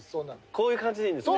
こういう感じでいいんですね。